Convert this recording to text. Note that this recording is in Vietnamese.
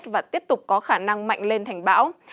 và tiếp tục có khả năng mạnh lên thành bão